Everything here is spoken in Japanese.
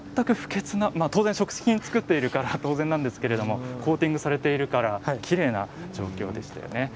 食品を作っているから当然ですけれどコーティングされているからきれいな状況でしたね。